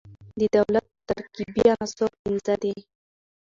د دولت ترکيبي عناصر پنځه دي.